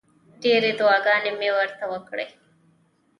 ډېرې دعاګانې مې ورته وکړې.